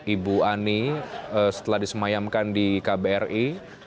ibu ani setelah disemayamkan di kbri